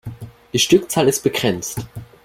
Die Stückzahl ist begrenzt.